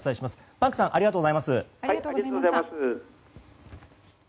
パンクさんありがとうございます。